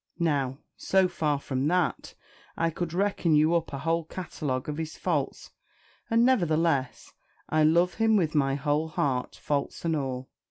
Now, so far from that, I could reckon you up a whole catalogue of his faults; and nevertheless, I love him with my whole heart, faults and all.